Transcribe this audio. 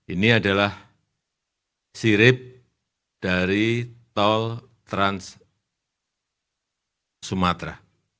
ini adalah sirip dari tol trans sumatera